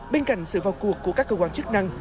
bên cạnh sự vào cuộc của các cơ quan chức năng